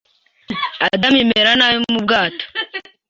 Adamu imera nabi mu bwato